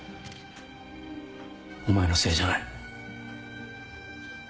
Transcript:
お前のせいじゃない。